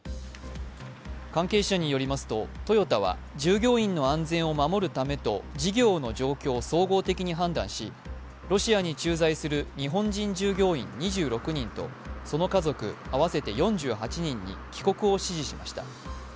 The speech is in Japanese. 関係者によりますとトヨタは従業員の安全を守るためと事業の状況を総合的に判断し、ロシアに駐在する日本人従業員２６人とその家族、合わせて４８人に帰国を指示しました。